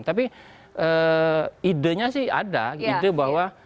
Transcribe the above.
tapi idenya sih ada gitu bahwa